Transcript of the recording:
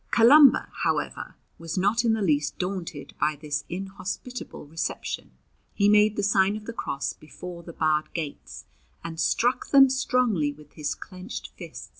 Columba, however, was not in the least daunted by this inhospitable reception. He made the sign of the Cross before the barred gates and struck them strongly with his clenched fist.